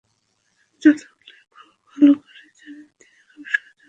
Radcliffe খুব ভালো করেই জানেন, তিনি খুব সহজেই মাদকের ওপর নির্ভরশীল হয়ে পড়েন।